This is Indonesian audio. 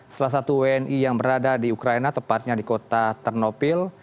salah satu wni yang berada di ukraina tepatnya di kota ternopil